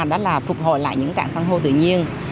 đó là phục hồi lại những nguyên nhân dân